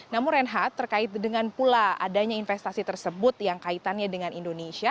namun renhat terkait dengan pula adanya investasi tersebut yang kaitannya dengan indonesia